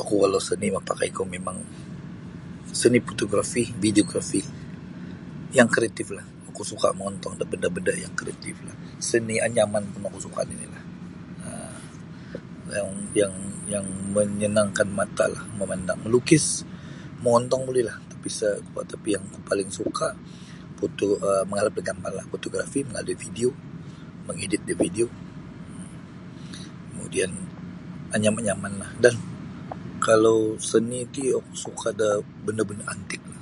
Oku kalau seni mapakaiku mimang seni fotografi videografi yang kreatiflah oku suka mongontong da benda-benda yang kreatiflah seni anyaman pun oku suka nini lah um yang yang menyenangkan matalah memandang malukis mongontong bulilah tapi sa tapi yang paling suka mangaal da fotografi mangalap da video mengedit da video kemudian anyam-anyamanlah dan kalau seni ti oku suka da benda-benda antiklah